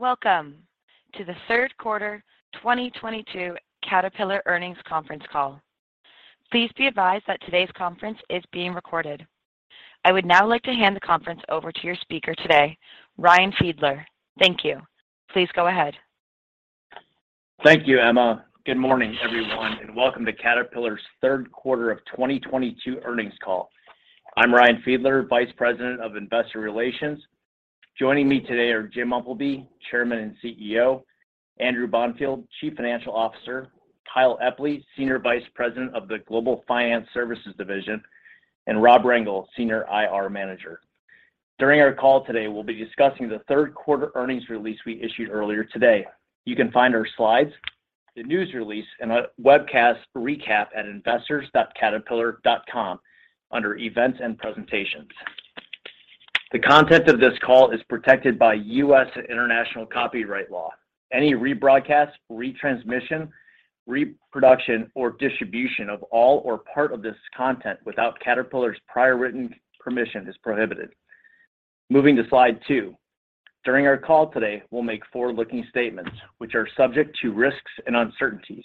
Welcome to the third quarter 2022 Caterpillar Earnings Conference Call. Please be advised that today's conference is being recorded. I would now like to hand the conference over to your speaker today, Ryan Fiedler. Thank you. Please go ahead. Thank you, Emma. Good morning, everyone, and welcome to Caterpillar's third quarter of 2022 earnings call. I'm Ryan Fiedler, Vice President of Investor Relations. Joining me today are Jim Umpleby, Chairman and CEO, Andrew Bonfield, Chief Financial Officer, Kyle Epley, Senior Vice President of the Global Finance Services Division, and Rob Rengel, Senior IR Manager. During our call today, we'll be discussing the third quarter earnings release we issued earlier today. You can find our slides, the news release, and a webcast recap at investors.caterpillar.com under Events and Presentations. The content of this call is protected by U.S. and international copyright law. Any rebroadcast, retransmission, reproduction, or distribution of all or part of this content without Caterpillar's prior written permission is prohibited. Moving to slide two. During our call today, we'll make forward-looking statements which are subject to risks and uncertainties.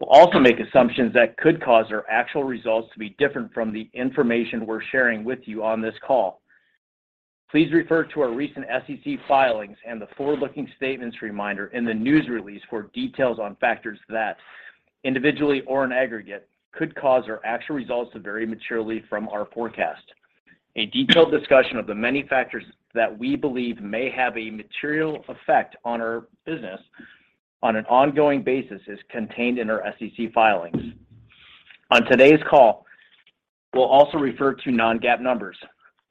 We'll also make assumptions that could cause our actual results to be different from the information we're sharing with you on this call. Please refer to our recent SEC filings and the forward-looking statements reminder in the news release for details on factors that, individually or in aggregate, could cause our actual results to vary materially from our forecast. A detailed discussion of the many factors that we believe may have a material effect on our business on an ongoing basis is contained in our SEC filings. On today's call, we'll also refer to non-GAAP numbers.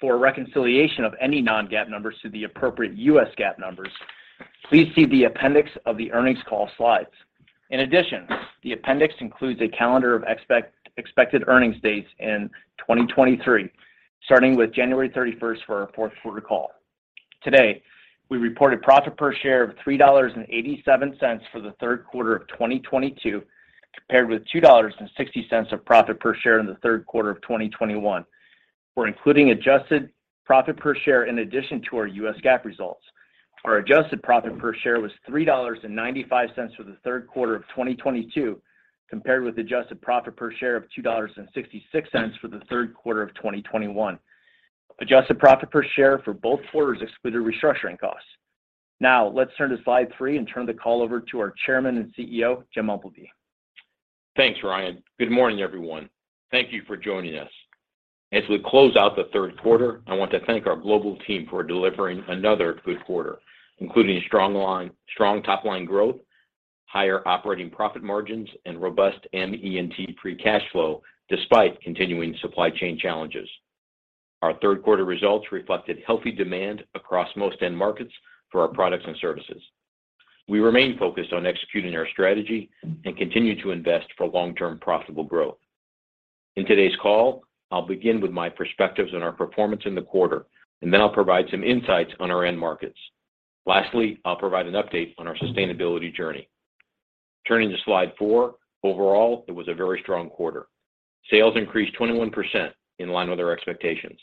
For a reconciliation of any non-GAAP numbers to the appropriate U.S. GAAP numbers, please see the appendix of the earnings call slides. In addition, the appendix includes a calendar of expected earnings dates in 2023, starting with January 31 for our fourth quarter call. Today, we reported profit per share of $3.87 for the third quarter of 2022, compared with $2.60 of profit per share in the third quarter of 2021. We're including adjusted profit per share in addition to our U.S. GAAP results. Our adjusted profit per share was $3.95 for the third quarter of 2022, compared with adjusted profit per share of $2.66 for the third quarter of 2021. Adjusted profit per share for both quarters excluded restructuring costs. Now, let's turn to slide three and turn the call over to our Chairman and CEO, Jim Umpleby. Thanks, Ryan. Good morning, everyone. Thank you for joining us. As we close out the third quarter, I want to thank our global team for delivering another good quarter, including strong top line growth, higher operating profit margins, and robust ME&T free cash flow, despite continuing supply chain challenges. Our third quarter results reflected healthy demand across most end markets for our products and services. We remain focused on executing our strategy and continue to invest for long-term profitable growth. In today's call, I'll begin with my perspectives on our performance in the quarter, and then I'll provide some insights on our end markets. Lastly, I'll provide an update on our sustainability journey. Turning to slide four. Overall, it was a very strong quarter. Sales increased 21% in line with our expectations.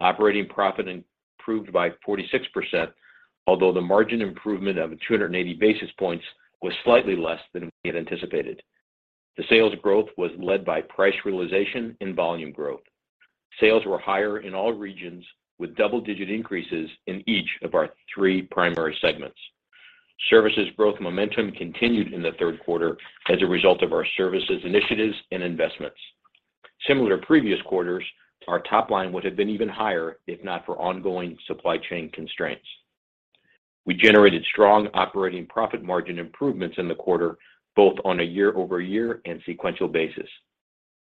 Operating profit improved by 46%, although the margin improvement of 280 basis points was slightly less than we had anticipated. The sales growth was led by price realization and volume growth. Sales were higher in all regions with double-digit increases in each of our three primary segments. Services growth momentum continued in the third quarter as a result of our services initiatives and investments. Similar to previous quarters, our top line would have been even higher if not for ongoing supply chain constraints. We generated strong operating profit margin improvements in the quarter, both on a year-over-year and sequential basis.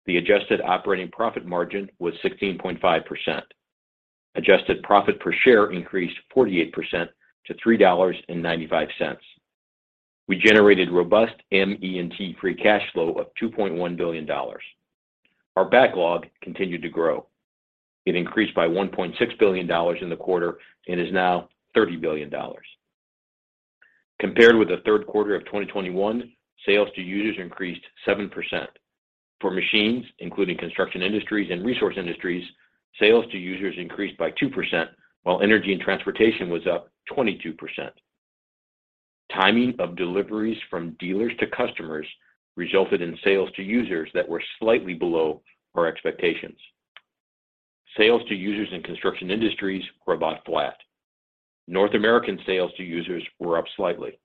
The adjusted operating profit margin was 16.5%. Adjusted profit per share increased 48% to $3.95. We generated robust ME&T pre-cash flow of $2.1 billion. Our backlog continued to grow. It increased by $1.6 billion in the quarter and is now $30 billion. Compared with the third quarter of 2021, sales to users increased 7%. For machines, including Construction Industries and Resource Industries, sales to users increased by 2%, while Energy & Transportation was up 22%. Timing of deliveries from dealers to customers resulted in sales to users that were slightly below our expectations. Sales to users in Construction Industries were about flat. North American sales to users were up slightly.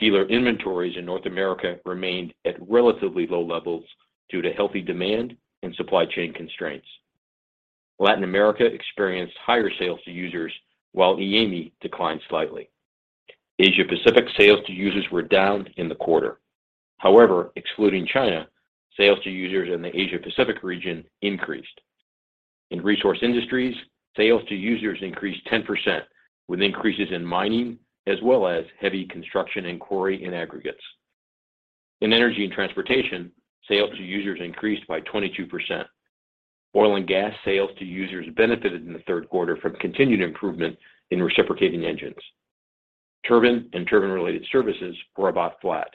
Dealer inventories in North America remained at relatively low levels due to healthy demand and supply chain constraints. Latin America experienced higher sales to users while EAME declined slightly. Asia Pacific sales to users were down in the quarter. However, excluding China, sales to users in the Asia Pacific region increased. In Resource Industries, sales to users increased 10%, with increases in mining as well as heavy construction inquiry and aggregates. In Energy & Transportation, sales to users increased by 22%. Oil and gas sales to users benefited in the third quarter from continued improvement in reciprocating engines. Turbine and turbine-related services were about flat.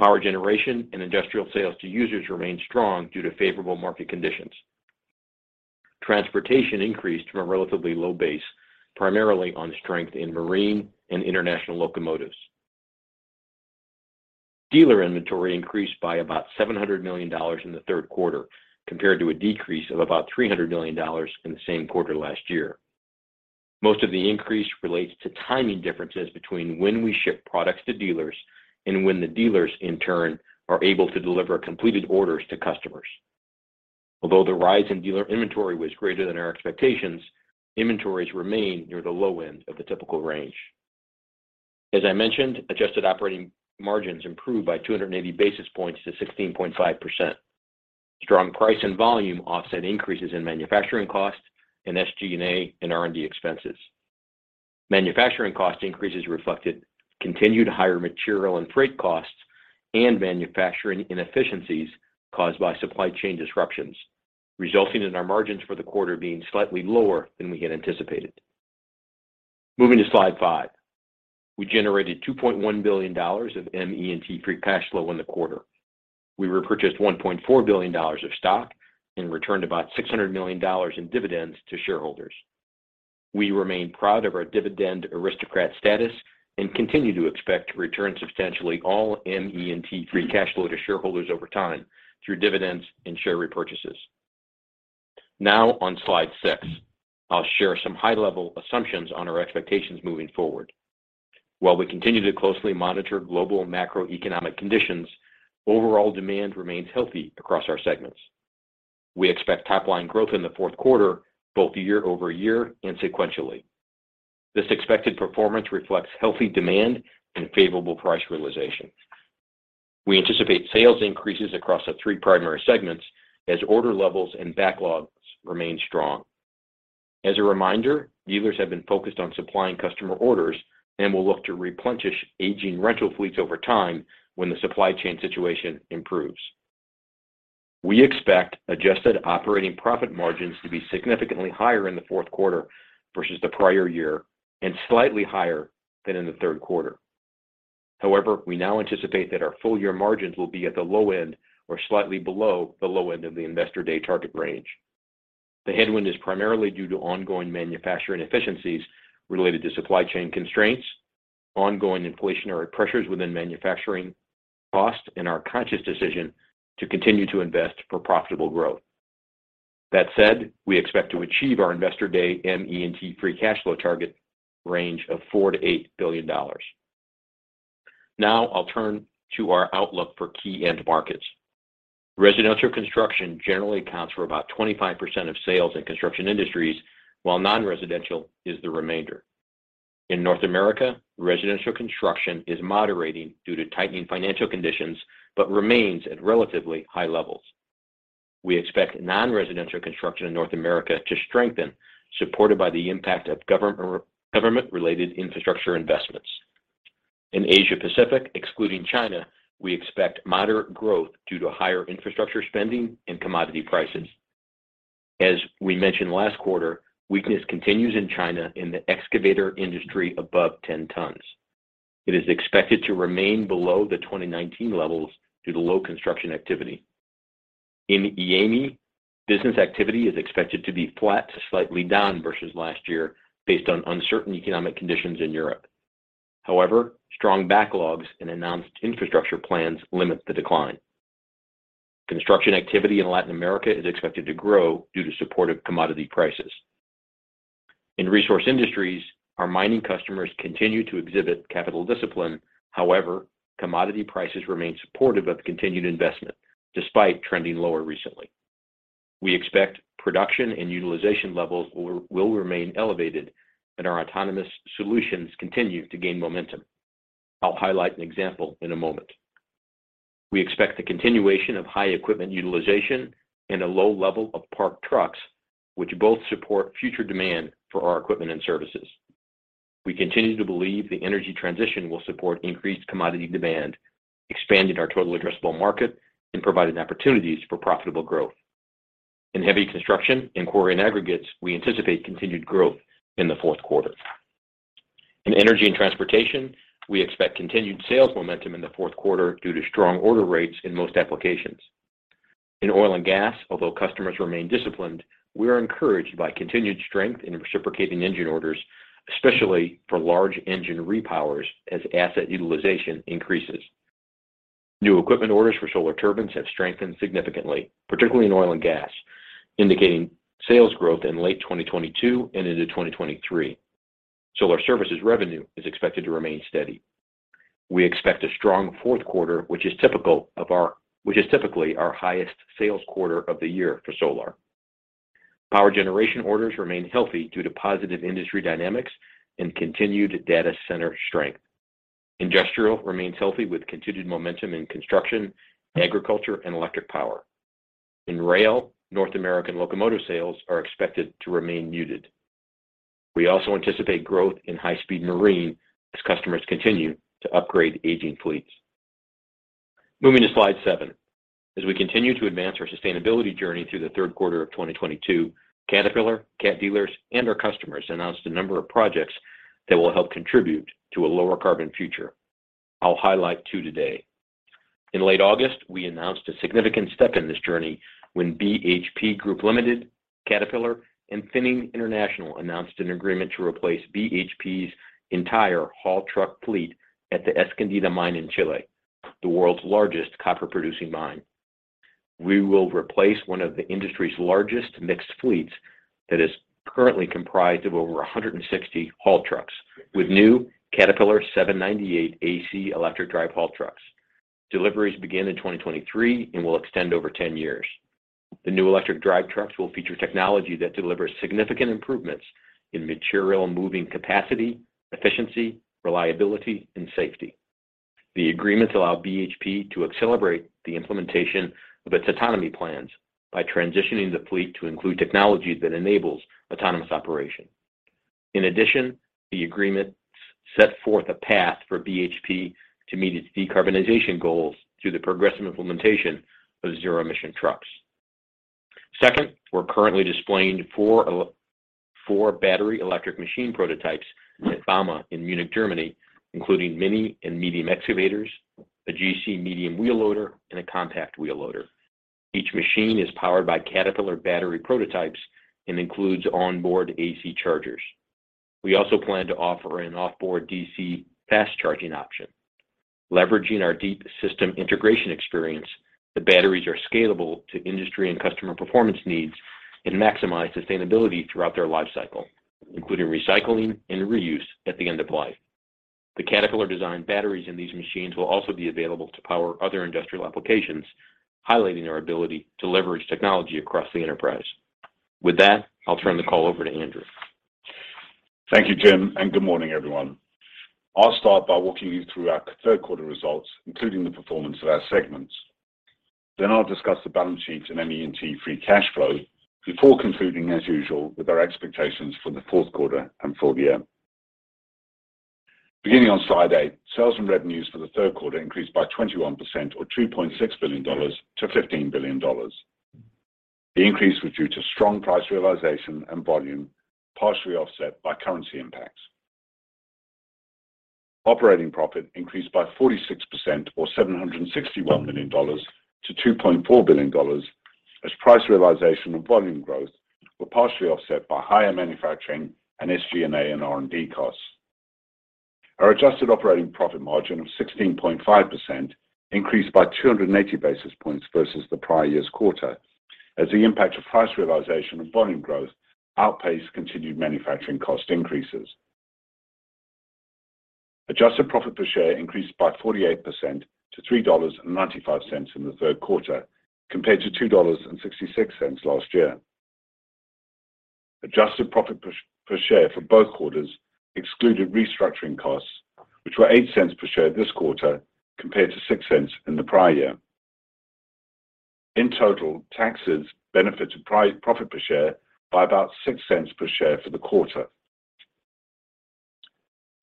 Power generation and industrial sales to users remain strong due to favorable market conditions. Transportation increased from a relatively low base, primarily on strength in marine and international locomotives. Dealer inventory increased by about $700 million in the third quarter compared to a decrease of about $300 million in the same quarter last year. Most of the increase relates to timing differences between when we ship products to dealers and when the dealers in turn are able to deliver completed orders to customers. Although the rise in dealer inventory was greater than our expectations, inventories remain near the low end of the typical range. As I mentioned, adjusted operating margins improved by 280 basis points to 16.5%. Strong price and volume offset increases in manufacturing costs and SG&A and R&D expenses. Manufacturing cost increases reflected continued higher material and freight costs and manufacturing inefficiencies caused by supply chain disruptions, resulting in our margins for the quarter being slightly lower than we had anticipated. Moving to slide 5. We generated $2.1 billion of ME&T free cash flow in the quarter. We repurchased $1.4 billion of stock and returned about $600 million in dividends to shareholders. We remain proud of our Dividend Aristocrat status and continue to expect to return substantially all ME&T free cash flow to shareholders over time through dividends and share repurchases. Now on slide six, I'll share some high-level assumptions on our expectations moving forward. While we continue to closely monitor global macroeconomic conditions, overall demand remains healthy across our segments. We expect top line growth in the fourth quarter, both year over year and sequentially. This expected performance reflects healthy demand and favorable price realization. We anticipate sales increases across our three primary segments as order levels and backlogs remain strong. As a reminder, dealers have been focused on supplying customer orders and will look to replenish aging rental fleets over time when the supply chain situation improves. We expect adjusted operating profit margins to be significantly higher in the fourth quarter versus the prior year and slightly higher than in the third quarter. However, we now anticipate that our full year margins will be at the low end or slightly below the low end of the Investor Day target range. The headwind is primarily due to ongoing manufacturing inefficiencies related to supply chain constraints, ongoing inflationary pressures within manufacturing costs, and our conscious decision to continue to invest for profitable growth. That said, we expect to achieve our Investor Day ME&T free cash flow target range of $4 billion-$8 billion. Now I'll turn to our outlook for key end markets. Residential construction generally accounts for about 25% of sales in Construction Industries, while non-residential is the remainder. In North America, residential construction is moderating due to tightening financial conditions, but remains at relatively high levels. We expect non-residential construction in North America to strengthen, supported by the impact of government or government-related infrastructure investments. In Asia Pacific, excluding China, we expect moderate growth due to higher infrastructure spending and commodity prices. As we mentioned last quarter, weakness continues in China in the excavator industry above 10 tons. It is expected to remain below the 2019 levels due to low construction activity. In EAME, business activity is expected to be flat to slightly down versus last year based on uncertain economic conditions in Europe. However, strong backlogs and announced infrastructure plans limit the decline. Construction activity in Latin America is expected to grow due to supportive commodity prices. In Resource Industries, our mining customers continue to exhibit capital discipline. However, commodity prices remain supportive of continued investment despite trending lower recently. We expect production and utilization levels will remain elevated, and our autonomous solutions continue to gain momentum. I'll highlight an example in a moment. We expect the continuation of high equipment utilization and a low level of parked trucks, which both support future demand for our equipment and services. We continue to believe the energy transition will support increased commodity demand, expanding our total addressable market and providing opportunities for profitable growth. In heavy construction and quarry and aggregates, we anticipate continued growth in the fourth quarter. In energy and transportation, we expect continued sales momentum in the fourth quarter due to strong order rates in most applications. In oil and gas, although customers remain disciplined, we are encouraged by continued strength in reciprocating engine orders, especially for large engine repowers as asset utilization increases. New equipment orders for Solar Turbines have strengthened significantly, particularly in oil and gas, indicating sales growth in late 2022 and into 2023. Solar services revenue is expected to remain steady. We expect a strong fourth quarter, which is typically our highest sales quarter of the year for solar. Power generation orders remain healthy due to positive industry dynamics and continued data center strength. Industrial remains healthy with continued momentum in construction, agriculture and electric power. In rail, North American locomotive sales are expected to remain muted. We also anticipate growth in high-speed marine as customers continue to upgrade aging fleets. Moving to slide seven. As we continue to advance our sustainability journey through the third quarter of 2022, Caterpillar, Cat dealers, and our customers announced a number of projects that will help contribute to a lower carbon future. I'll highlight two today. In late August, we announced a significant step in this journey when BHP Group Limited, Caterpillar, and Finning International announced an agreement to replace BHP's entire haul truck fleet at the Escondida mine in Chile, the world's largest copper producing mine. We will replace one of the industry's largest mixed fleets that is currently comprised of over 160 haul trucks with new Caterpillar 798 AC electric drive haul trucks. Deliveries begin in 2023 and will extend over 10 years. The new electric drive trucks will feature technology that delivers significant improvements in material moving capacity, efficiency, reliability, and safety. The agreements allow BHP to accelerate the implementation of its autonomy plans by transitioning the fleet to include technology that enables autonomous operation. In addition, the agreements set forth a path for BHP to meet its decarbonization goals through the progressive implementation of zero emission trucks. Second, we're currently displaying four battery electric machine prototypes at bauma in Munich, Germany, including mini and medium excavators, a GC Medium Wheel Loader, and a compact wheel loader. Each machine is powered by Caterpillar battery prototypes and includes onboard AC chargers. We also plan to offer an off-board DC fast charging option. Leveraging our deep system integration experience, the batteries are scalable to industry and customer performance needs and maximize sustainability throughout their life cycle, including recycling and reuse at the end of life. The Caterpillar-designed batteries in these machines will also be available to power other industrial applications, highlighting our ability to leverage technology across the enterprise. With that, I'll turn the call over to Andrew Bonfield. Thank you, Jim, and good morning, everyone. I'll start by walking you through our third quarter results, including the performance of our segments. I'll discuss the balance sheet and ME&T free cash flow before concluding as usual with our expectations for the fourth quarter and full year. Beginning on slide 8, sales and revenues for the third quarter increased by 21% or $2.6 billion to $15 billion. The increase was due to strong price realization and volume, partially offset by currency impacts. Operating profit increased by 46% or $761 million to $2.4 billion as price realization and volume growth were partially offset by higher manufacturing and SG&A and R&D costs. Our adjusted operating profit margin of 16.5% increased by 280 basis points versus the prior year's quarter as the impact of price realization and volume growth outpaced continued manufacturing cost increases. Adjusted profit per share increased by 48% to $3.95 in the third quarter, compared to $2.66 last year. Adjusted profit per share for both quarters excluded restructuring costs, which were $0.08 per share this quarter compared to $0.06 in the prior year. In total, taxes benefited profit per share by about $0.06 per share for the quarter.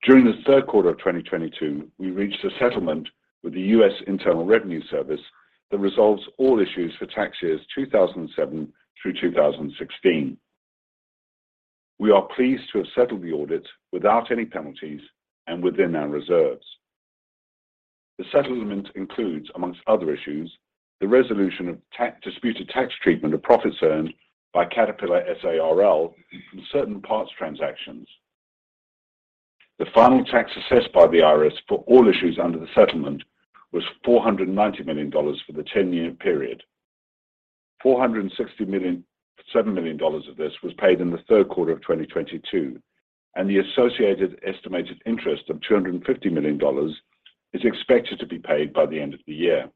During the third quarter of 2022, we reached a settlement with the U.S. Internal Revenue Service that resolves all issues for tax years 2007 through 2016. We are pleased to have settled the audit without any penalties and within our reserves. The settlement includes, among other issues, the resolution of the disputed tax treatment of profits earned by Caterpillar S.A.R.L. from certain parts transactions. The final tax assessed by the IRS for all issues under the settlement was $490 million for the 10-year period. $467 million of this was paid in the third quarter of 2022, and the associated estimated interest of $250 million is expected to be paid by the end of the year.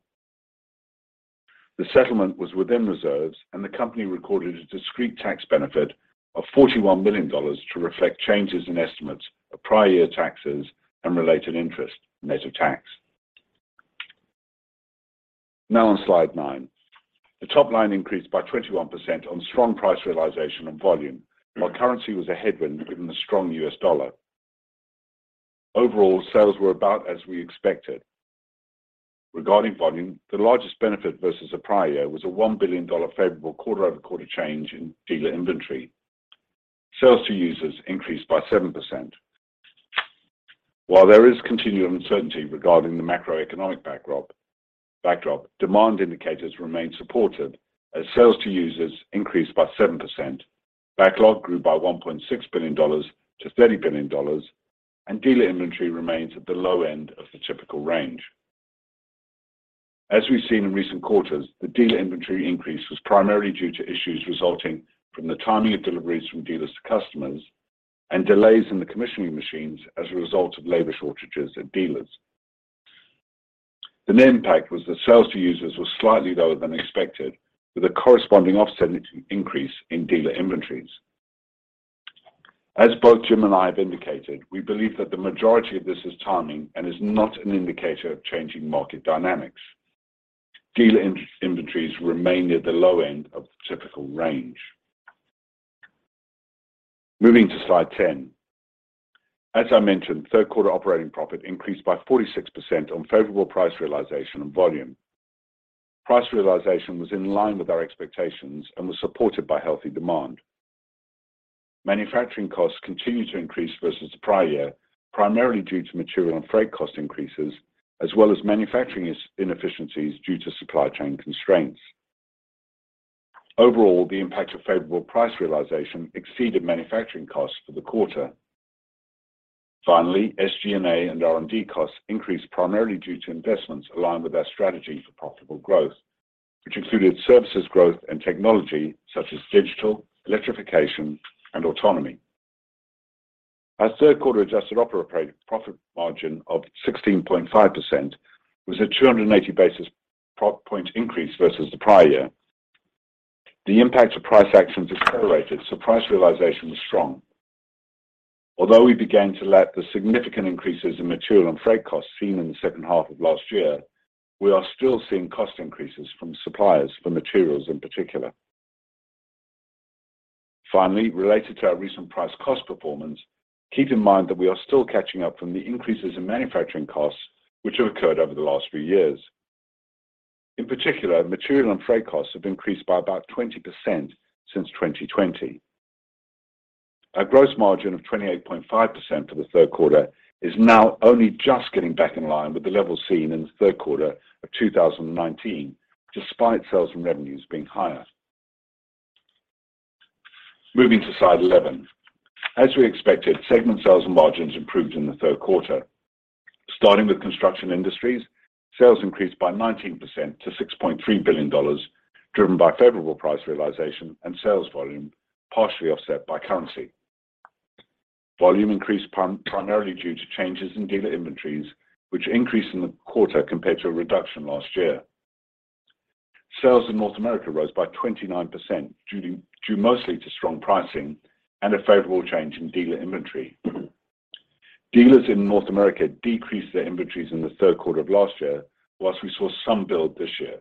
The settlement was within reserves, and the company recorded a discrete tax benefit of $41 million to reflect changes in estimates of prior year taxes and related interest net of tax. Now on slide nine. The top line increased by 21% on strong price realization and volume, while currency was a headwind given the strong US dollar. Overall, sales were about as we expected. Regarding volume, the largest benefit versus the prior year was a $1 billion favorable quarter-over-quarter change in dealer inventory. Sales to users increased by 7%. While there is continued uncertainty regarding the macroeconomic backdrop, demand indicators remain supported as sales to users increased by 7%. Backlog grew by $1.6 billion to $30 billion, and dealer inventory remains at the low end of the typical range. As we've seen in recent quarters, the dealer inventory increase was primarily due to issues resulting from the timing of deliveries from dealers to customers and delays in the commissioning machines as a result of labor shortages at dealers. The net impact was that sales to users were slightly lower than expected, with a corresponding offset increase in dealer inventories. As both Jim and I have indicated, we believe that the majority of this is timing and is not an indicator of changing market dynamics. Dealer inventories remain near the low end of the typical range. Moving to slide 10. As I mentioned, third quarter operating profit increased by 46% on favorable price realization and volume. Price realization was in line with our expectations and was supported by healthy demand. Manufacturing costs continued to increase versus the prior year, primarily due to material and freight cost increases, as well as manufacturing inefficiencies due to supply chain constraints. Overall, the impact of favorable price realization exceeded manufacturing costs for the quarter. Finally, SG&A and R&D costs increased primarily due to investments aligned with our strategy for profitable growth, which included services growth and technology such as digital, electrification, and autonomy. Our third quarter adjusted operating profit margin of 16.5% was a 280 basis points increase versus the prior year. The impact of price actions accelerated, so price realization was strong. Although we began to lap the significant increases in material and freight costs seen in the second half of last year, we are still seeing cost increases from suppliers for materials in particular. Finally, related to our recent price-cost performance, keep in mind that we are still catching up from the increases in manufacturing costs which have occurred over the last few years. In particular, material and freight costs have increased by about 20% since 2020. Our gross margin of 28.5% for the third quarter is now only just getting back in line with the level seen in the third quarter of 2019, despite sales and revenues being higher. Moving to slide 11. As we expected, segment sales and margins improved in the third quarter. Starting with Construction Industries, sales increased by 19% to $6.3 billion, driven by favorable price realization and sales volume, partially offset by currency. Volume increased primarily due to changes in dealer inventories, which increased in the quarter compared to a reduction last year. Sales in North America rose by 29% due mostly to strong pricing and a favorable change in dealer inventory. Dealers in North America decreased their inventories in the third quarter of last year, while we saw some build this year.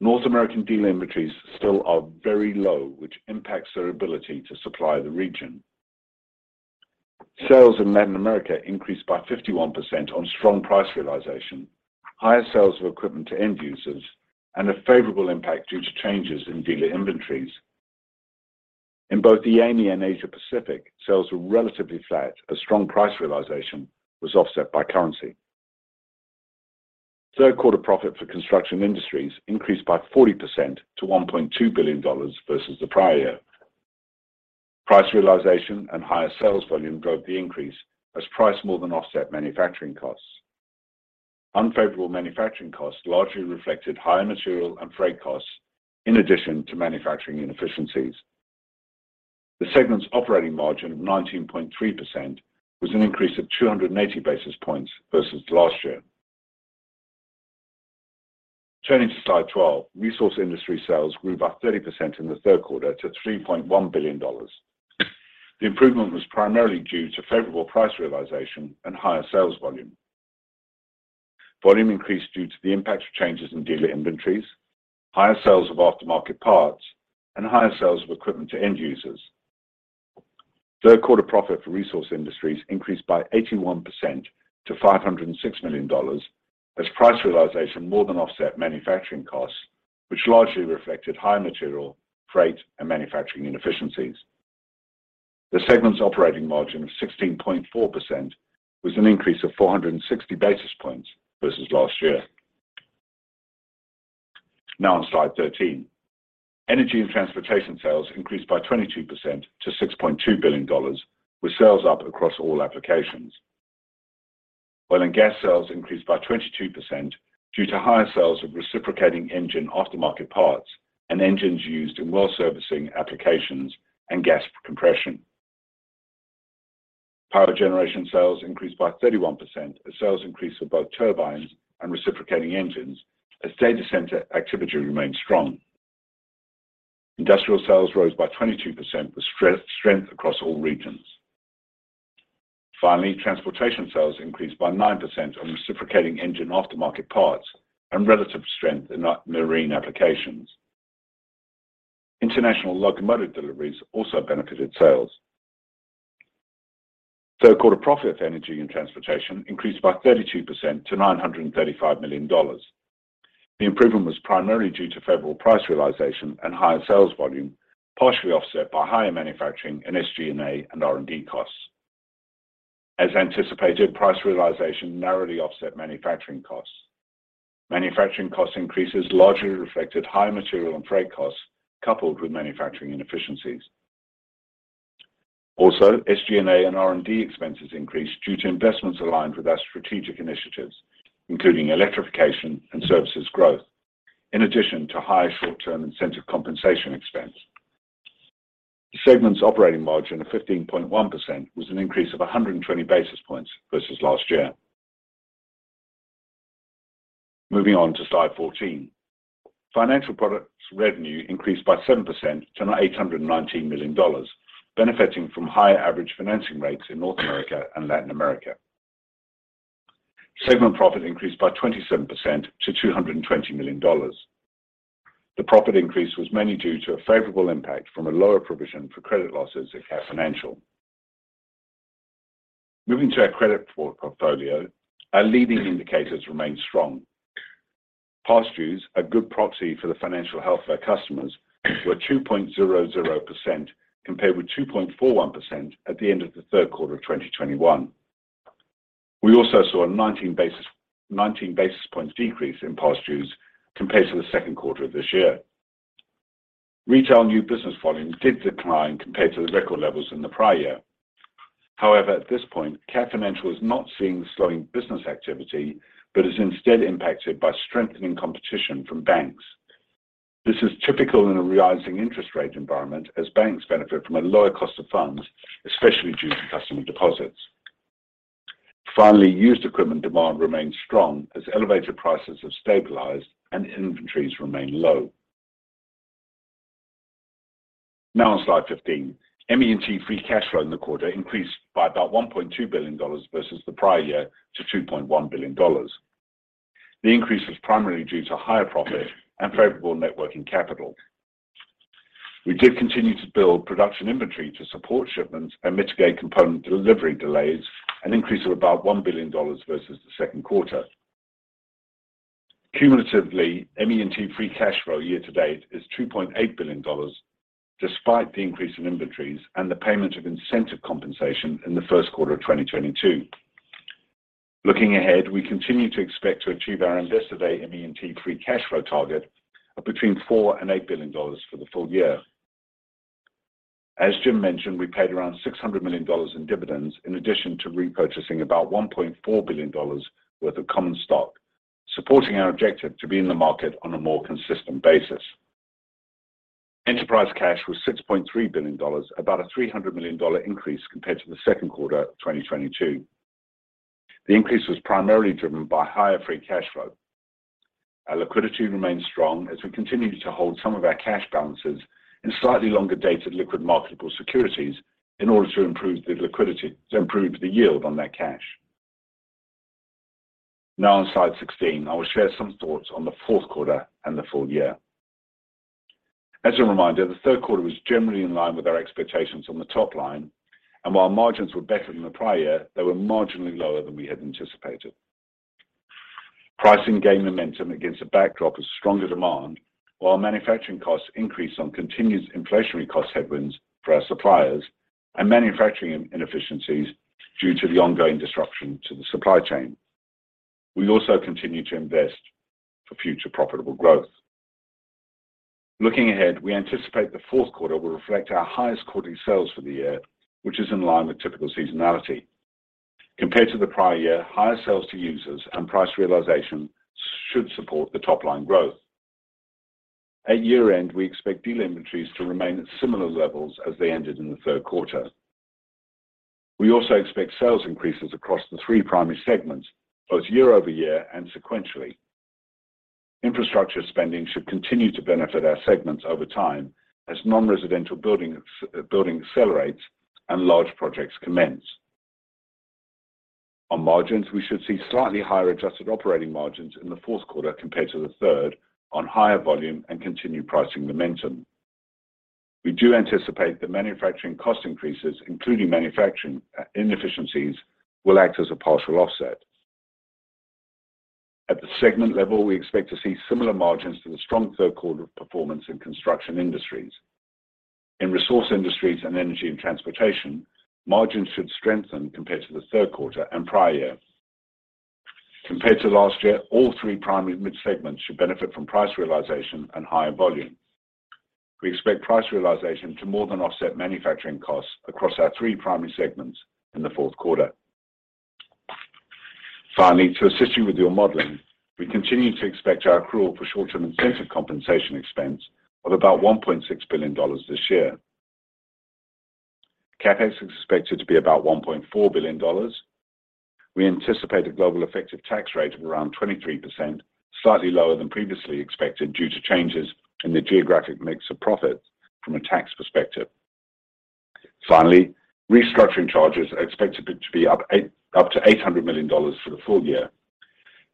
North American dealer inventories still are very low, which impacts their ability to supply the region. Sales in Latin America increased by 51% on strong price realization, higher sales of equipment to end users and a favorable impact due to changes in dealer inventories. In both EAME and Asia Pacific, sales were relatively flat as strong price realization was offset by currency. Third quarter profit for Construction Industries increased by 40% to $1.2 billion versus the prior year. Price realization and higher sales volume drove the increase as price more than offset manufacturing costs. Unfavorable manufacturing costs largely reflected higher material and freight costs in addition to manufacturing inefficiencies. The segment's operating margin of 19.3% was an increase of 280 basis points versus last year. Turning to slide 12. Resource Industries sales grew by 30% in the third quarter to $3.1 billion. The improvement was primarily due to favorable price realization and higher sales volume. Volume increased due to the impact of changes in dealer inventories, higher sales of aftermarket parts, and higher sales of equipment to end users. Third quarter profit for Resource Industries increased by 81% to $506 million as price realization more than offset manufacturing costs, which largely reflected higher material, freight, and manufacturing inefficiencies. The segment's operating margin of 16.4% was an increase of 460 basis points versus last year. Now on slide 13. Energy & Transportation sales increased by 22% to $6.2 billion with sales up across all applications. Oil and gas sales increased by 22% due to higher sales of reciprocating engine aftermarket parts and engines used in well servicing applications and gas compression. Power generation sales increased by 31% as sales increased for both turbines and reciprocating engines as data center activity remained strong. Industrial sales rose by 22% with strength across all regions. Finally, transportation sales increased by 9% on reciprocating engine aftermarket parts and relative strength in marine applications. International locomotive deliveries also benefited sales. Third quarter profit for Energy & Transportation increased by 32% to $935 million. The improvement was primarily due to favorable price realization and higher sales volume, partially offset by higher manufacturing and SG&A and R&D costs. As anticipated, price realization narrowly offset manufacturing costs. Manufacturing cost increases largely reflected higher material and freight costs coupled with manufacturing inefficiencies. Also, SG&A and R&D expenses increased due to investments aligned with our strategic initiatives, including electrification and services growth, in addition to higher short-term incentive compensation expense. The segment's operating margin of 15.1% was an increase of 120 basis points versus last year. Moving on to slide 14. Financial products revenue increased by 7% to $819 million, benefiting from higher average financing rates in North America and Latin America. Segment profit increased by 27% to $220 million. The profit increase was mainly due to a favorable impact from a lower provision for credit losses at Cat Financial. Moving to our credit portfolio, our leading indicators remain strong. Past dues, a good proxy for the financial health of our customers, were 2.00% compared with 2.41% at the end of the third quarter of 2021. We also saw a 19 basis points decrease in past dues compared to the second quarter of this year. Retail new business volumes did decline compared to the record levels in the prior year. However, at this point, Cat Financial is not seeing slowing business activity, but is instead impacted by strengthening competition from banks. This is typical in a rising interest rate environment as banks benefit from a lower cost of funds, especially due to customer deposits. Finally, used equipment demand remains strong as elevated prices have stabilized and inventories remain low. Now on slide 15. ME&T free cash flow in the quarter increased by about $1.2 billion versus the prior year to $2.1 billion. The increase was primarily due to higher profit and favorable working capital. We did continue to build production inventory to support shipments and mitigate component delivery delays, an increase of about $1 billion versus the second quarter. Cumulatively, ME&T free cash flow year to date is $2.8 billion despite the increase in inventories and the payment of incentive compensation in the first quarter of 2022. Looking ahead, we continue to expect to achieve our Investor Day ME&T free cash flow target of between $4 billion and $8 billion for the full year. As Jim mentioned, we paid around $600 million in dividends in addition to repurchasing about $1.4 billion worth of common stock, supporting our objective to be in the market on a more consistent basis. Enterprise cash was $6.3 billion, about a $300 million increase compared to the second quarter of 2022. The increase was primarily driven by higher free cash flow. Our liquidity remains strong as we continue to hold some of our cash balances in slightly longer dated liquid marketable securities in order to improve the liquidity, to improve the yield on that cash. Now on slide 16, I will share some thoughts on the fourth quarter and the full year. As a reminder, the third quarter was generally in line with our expectations on the top line, and while margins were better than the prior year, they were marginally lower than we had anticipated. Pricing gained momentum against a backdrop of stronger demand, while manufacturing costs increased on continued inflationary cost headwinds for our suppliers and manufacturing inefficiencies due to the ongoing disruption to the supply chain. We also continue to invest for future profitable growth. Looking ahead, we anticipate the fourth quarter will reflect our highest quarterly sales for the year, which is in line with typical seasonality. Compared to the prior year, higher sales to users and price realization should support the top-line growth. At year-end, we expect dealer inventories to remain at similar levels as they ended in the third quarter. We also expect sales increases across the three primary segments, both year-over-year and sequentially. Infrastructure spending should continue to benefit our segments over time as non-residential building accelerates and large projects commence. On margins, we should see slightly higher adjusted operating margins in the fourth quarter compared to the third on higher volume and continued pricing momentum. We do anticipate the manufacturing cost increases, including manufacturing inefficiencies, will act as a partial offset. At the segment level, we expect to see similar margins to the strong third quarter performance in Construction Industries. In Resource Industries and Energy & Transportation, margins should strengthen compared to the third quarter and prior year. Compared to last year, all three primary main segments should benefit from price realization and higher volume. We expect price realization to more than offset manufacturing costs across our three primary segments in the fourth quarter. Finally, to assist you with your modeling, we continue to expect our accrual for short-term incentive compensation expense of about $1.6 billion this year. CapEx is expected to be about $1.4 billion. We anticipate a global effective tax rate of around 23%, slightly lower than previously expected due to changes in the geographic mix of profits from a tax perspective. Finally, restructuring charges are expected to be up to $800 million for the full year.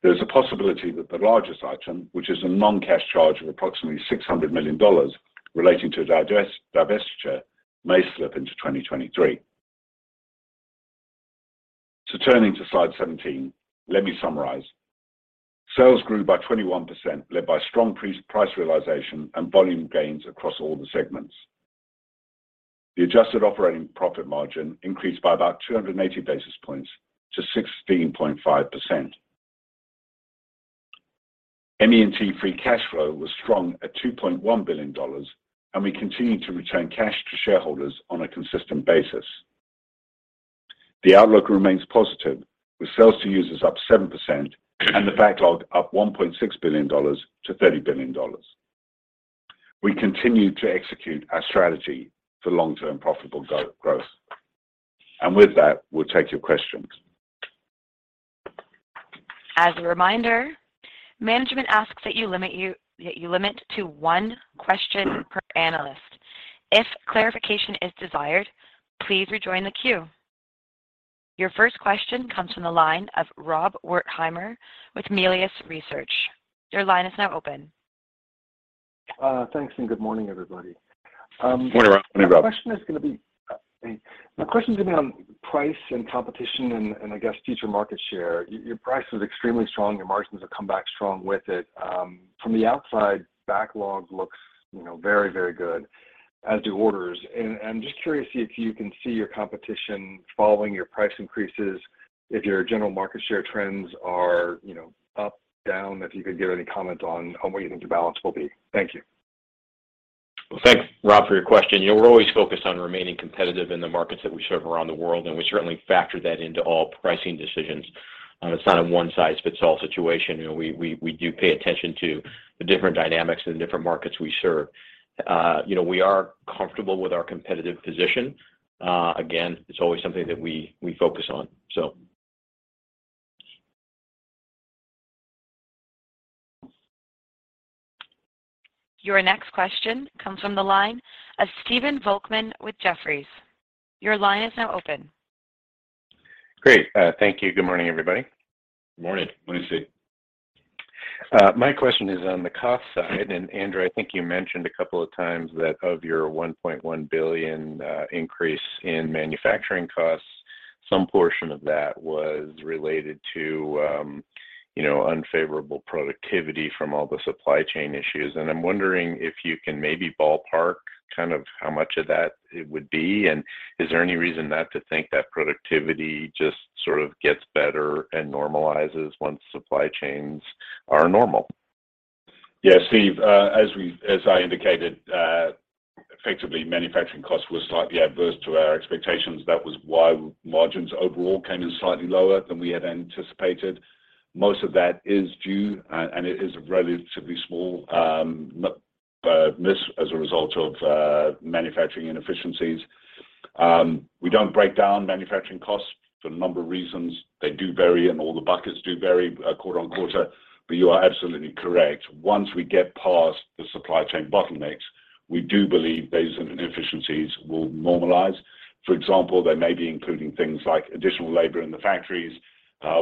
There's a possibility that the largest item, which is a non-cash charge of approximately $600 million relating to a divestiture, may slip into 2023. Turning to slide 17, let me summarize. Sales grew by 21%, led by strong price realization and volume gains across all the segments. The adjusted operating profit margin increased by about 280 basis points to 16.5%. ME&T free cash flow was strong at $2.1 billion, and we continue to return cash to shareholders on a consistent basis. The outlook remains positive with sales to users up 7% and the backlog up $1.6 billion to $30 billion. We continue to execute our strategy for long-term profitable growth. With that, we'll take your questions. As a reminder, Management asks that you limit to one question per analyst. If clarification is desired, please rejoin the queue. Your first question comes from the line of Rob Wertheimer with Melius Research. Your line is now open. Thanks, and good morning, everybody. Morning, Rob. My question is gonna be on price and competition and I guess future market share. Your price is extremely strong. Your margins have come back strong with it. From the outside, backlog looks, you know, very, very good, as do orders. I'm just curious to see if you can see your competition following your price increases, if your general market share trends are, you know, up, down. If you could give any comment on what you think your balance will be. Thank you. Well, thanks Rob for your question. You know, we're always focused on remaining competitive in the markets that we serve around the world, and we certainly factor that into all pricing decisions. It's not a one size fits all situation. You know, we do pay attention to the different dynamics in the different markets we serve. You know, we are comfortable with our competitive position. Again, it's always something that we focus on. Your next question comes from the line of Stephen Volkmann with Jefferies. Your line is now open. Great. Thank you. Good morning, everybody. Good morning. Good morning, Steven. My question is on the cost side. Andrew, I think you mentioned a couple of times that of your $1.1 billion increase in manufacturing costs, some portion of that was related to, you know, unfavorable productivity from all the supply chain issues. I'm wondering if you can maybe ballpark kind of how much of that it would be, and is there any reason not to think that productivity just sort of gets better and normalizes once supply chains are normal? Yeah, Steve. As I indicated, effectively manufacturing costs were slightly adverse to our expectations. That was why margins overall came in slightly lower than we had anticipated. Most of that is due, and it is a relatively small miss as a result of manufacturing inefficiencies. We don't break down manufacturing costs for a number of reasons. They do vary and all the buckets do vary quarter on quarter. But you are absolutely correct. Once we get past the supply chain bottlenecks, we do believe those inefficiencies will normalize. For example, they may be including things like additional labor in the factories,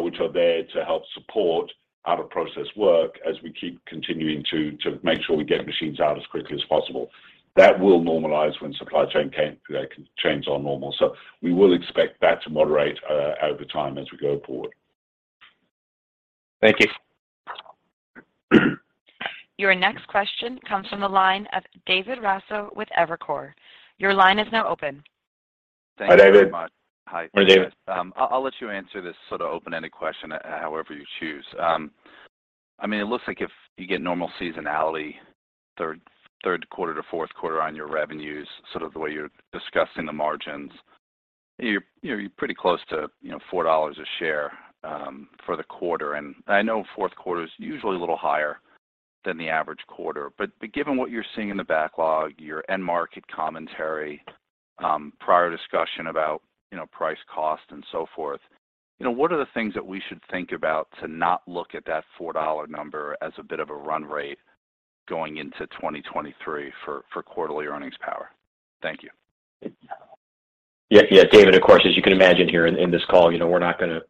which are there to help support out of process work as we keep continuing to make sure we get machines out as quickly as possible. That will normalize when supply chains are normal. We will expect that to moderate over time as we go forward. Thank you. Your next question comes from the line of David Raso with Evercore. Your line is now open. Hi, David. Hi, David. Hi. Morning, David. I'll let you answer this sort of open-ended question however you choose. I mean, it looks like if you get normal seasonality, third quarter to fourth quarter on your revenues, sort of the way you're discussing the margins, you're pretty close to, you know, $4 a share for the quarter. I know fourth quarter's usually a little higher than the average quarter. Given what you're seeing in the backlog, your end market commentary, prior discussion about, you know, price cost and so forth, you know, what are the things that we should think about to not look at that $4 number as a bit of a run rate going into 2023 for quarterly earnings power? Thank you. Yeah, yeah. David, of course, as you can imagine here in this call, you know, we're not gonna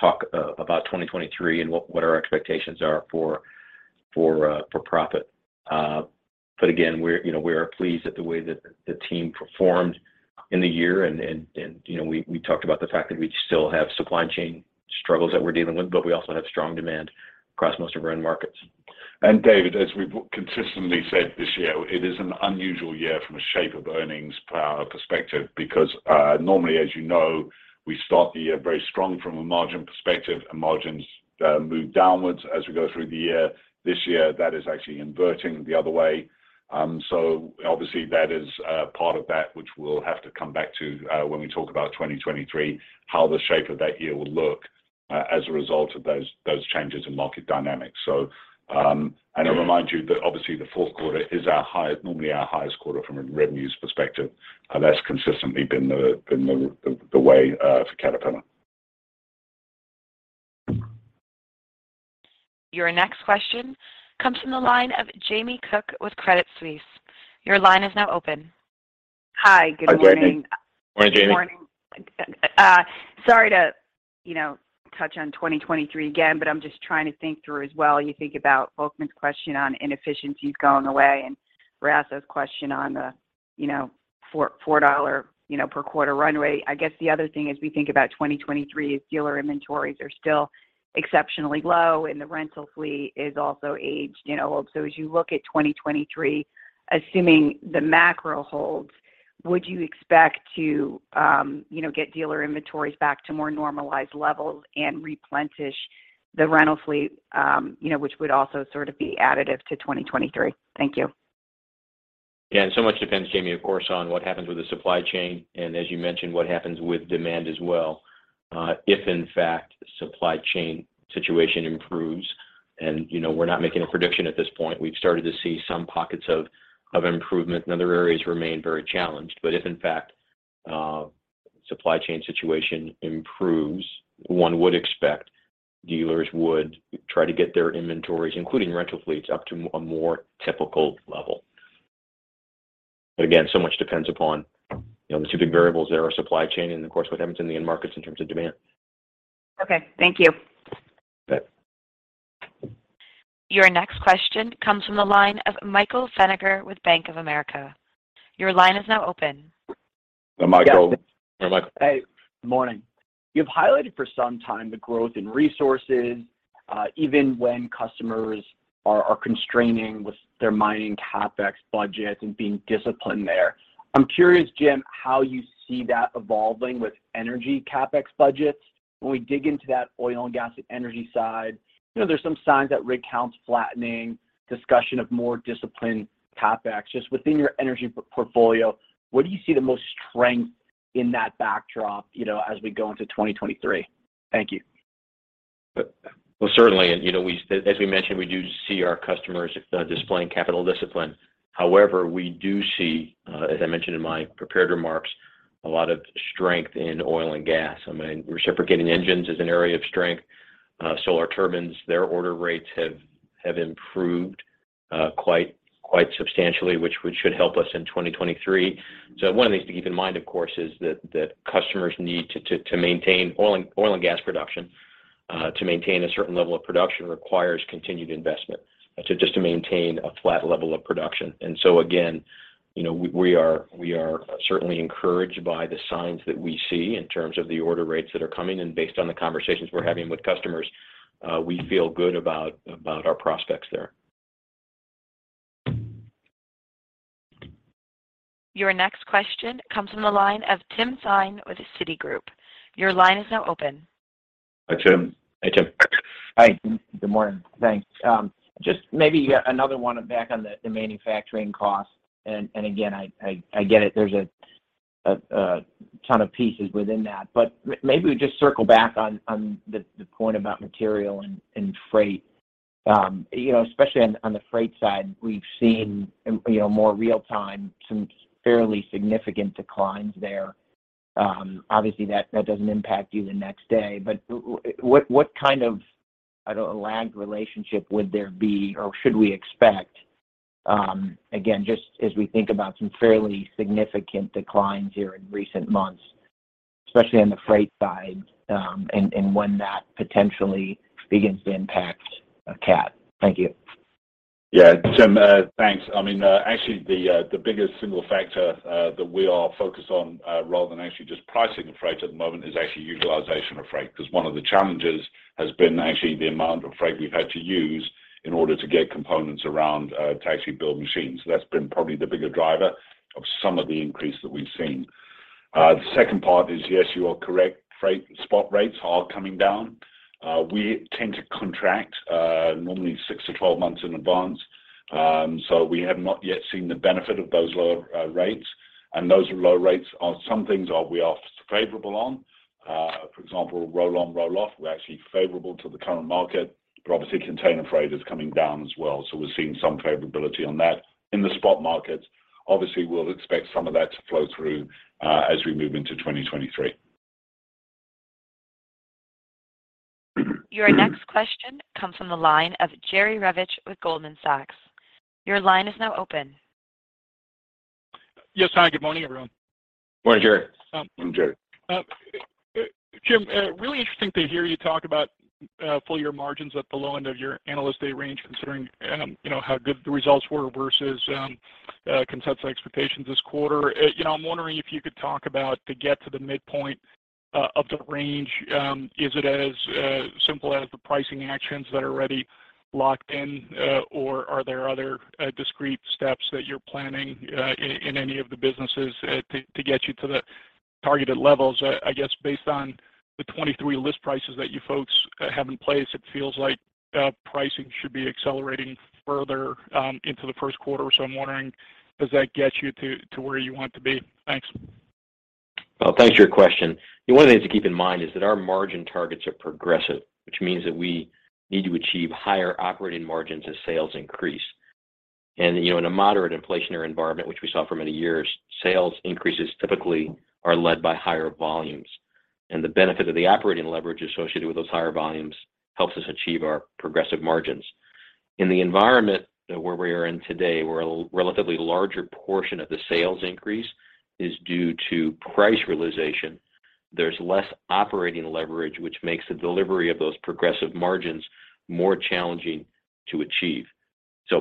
talk about 2023 and what our expectations are for profit. Again, we're, you know, we are pleased at the way that the team performed in the year and, you know, we talked about the fact that we still have supply chain struggles that we're dealing with, but we also have strong demand across most of our end markets. David, as we've consistently said this year, it is an unusual year from a shape of earnings perspective because normally as you know, we start the year very strong from a margin perspective and margins move downwards as we go through the year. This year, that is actually inverting the other way. Obviously that is part of that which we'll have to come back to when we talk about 2023, how the shape of that year will look as a result of those changes in market dynamics. I remind you that obviously the fourth quarter is our high, normally our highest quarter from a revenues perspective. That's consistently been the way for Caterpillar. Your next question comes from the line of Jamie Cook with Credit Suisse. Your line is now open. Hi, good morning. Hi, Jamie. Morning, Jamie. Morning. Sorry to, you know, touch on 2023 again, but I'm just trying to think through as well. You think about Volkmann's question on inefficiencies going away and Raso's question on the, you know, $4, you know, per quarter runway. I guess the other thing as we think about 2023 is dealer inventories are still exceptionally low and the rental fleet is also aged and old. As you look at 2023, assuming the macro holds, would you expect to, you know, get dealer inventories back to more normalized levels and replenish the rental fleet, you know, which would also sort of be additive to 2023? Thank you. Yeah. So much depends, Jamie, of course, on what happens with the supply chain and as you mentioned, what happens with demand as well. If in fact supply chain situation improves and, you know, we're not making a prediction at this point. We've started to see some pockets of improvement and other areas remain very challenged. If in fact supply chain situation improves, one would expect dealers would try to get their inventories, including rental fleets, up to more typical level. Again, so much depends upon, you know, the two big variables there are supply chain and of course what happens in the end markets in terms of demand. Okay, thank you. You bet. Your next question comes from the line of Michael Feniger with Bank of America. Your line is now open. Hi, Michael. Yes. Hi, Michael. Hey, good morning. You've highlighted for some time the growth in resources, even when customers are constraining with their mining CapEx budgets and being disciplined there. I'm curious, Jim, how you see that evolving with energy CapEx budgets. When we dig into that oil and gas energy side, you know, there's some signs that rig count's flattening, discussion of more disciplined CapEx. Just within your energy portfolio, where do you see the most strength in that backdrop, you know, as we go into 2023? Thank you. Well, certainly. You know, as we mentioned, we do see our customers displaying capital discipline. However, we do see, as I mentioned in my prepared remarks, a lot of strength in oil and gas. I mean, reciprocating engines is an area of strength. Solar Turbines, their order rates have improved quite substantially, which should help us in 2023. One of the things to keep in mind, of course, is that customers need to maintain oil and gas production. To maintain a certain level of production requires continued investment, so just to maintain a flat level of production. Again, you know, we are certainly encouraged by the signs that we see in terms of the order rates that are coming. Based on the conversations we're having with customers, we feel good about our prospects there. Your next question comes from the line of Tim Thein with Citigroup. Your line is now open. Hi, Tim. Hey, Tim. Hi, good morning. Thanks. Just maybe yet another one back on the manufacturing cost. Again, I get it. There's a ton of pieces within that. Maybe we just circle back on the point about material and freight. You know, especially on the freight side, we've seen, you know, more real time some fairly significant declines there. Obviously, that doesn't impact you the next day. What kind of, I don't know, lagged relationship would there be or should we expect, again, just as we think about some fairly significant declines here in recent months, especially on the freight side, and when that potentially begins to impact Cat? Thank you. Yeah. Tim, thanks. I mean, actually the biggest single factor that we are focused on rather than actually just pricing the freight at the moment is actually utilization of freight, 'cause one of the challenges has been actually the amount of freight we've had to use in order to get components around to actually build machines. That's been probably the bigger driver of some of the increase that we've seen. The second part is, yes, you are correct. Freight spot rates are coming down. We tend to contract normally six-12 months in advance, so we have not yet seen the benefit of those lower rates. Those low rates are something we're favorable on. For example, roll on roll off, we're actually favorable to the current market. Obviously container freight is coming down as well, so we're seeing some favorability on that. In the spot markets, obviously we'll expect some of that to flow through, as we move into 2023. Your next question comes from the line of Jerry Revich with Goldman Sachs. Your line is now open. Yes, hi. Good morning, everyone. Morning, Jerry. Morning, Jerry. Jim, really interesting to hear you talk about full year margins at the low end of your Investor Day range considering, you know, how good the results were versus consensus expectations this quarter. You know, I'm wondering if you could talk about to get to the midpoint of the range, is it as simple as the pricing actions that are already locked in, or are there other discrete steps that you're planning in any of the businesses, to get you to the targeted levels? I guess based on the 2023 list prices that you folks have in place, it feels like pricing should be accelerating further into the first quarter. I'm wondering does that get you to where you want to be? Thanks. Well, thanks for your question. One of the things to keep in mind is that our margin targets are progressive, which means that we need to achieve higher operating margins as sales increase. You know, in a moderate inflationary environment, which we saw for many years, sales increases typically are led by higher volumes. The benefit of the operating leverage associated with those higher volumes helps us achieve our progressive margins. In the environment where we are in today, where a relatively larger portion of the sales increase is due to price realization, there's less operating leverage, which makes the delivery of those progressive margins more challenging to achieve.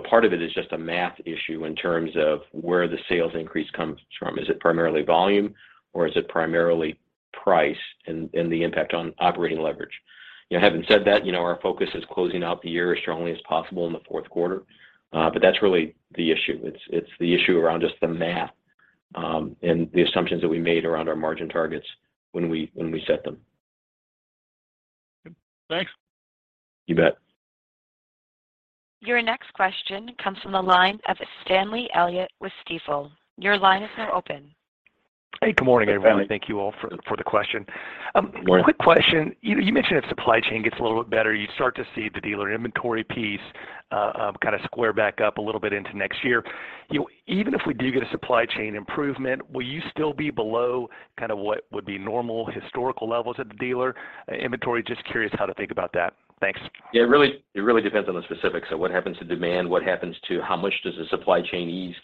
Part of it is just a math issue in terms of where the sales increase comes from. Is it primarily volume or is it primarily price and the impact on operating leverage? You know, having said that, you know, our focus is closing out the year as strongly as possible in the fourth quarter. That's really the issue. It's the issue around just the math, and the assumptions that we made around our margin targets when we set them. Thanks. You bet. Your next question comes from the line of Stanley Elliott with Stifel. Your line is now open. Hey, good morning, everyone. Hey, Stanley. Thank you all for the question. Morning. Quick question. You know, you mentioned if supply chain gets a little bit better, you start to see the dealer inventory piece. Kind of step back a little bit into next year. Even if we do get a supply chain improvement, will you still be below kind of what would be normal historical levels at the dealer inventory? Just curious how to think about that. Thanks. Yeah. It really depends on the specifics of what happens to demand, what happens to how much the supply chain ease.